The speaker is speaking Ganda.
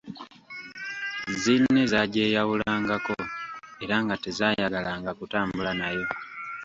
Zzinne zaagyeyawulangako era nga tezaayagalanga kutambula nayo.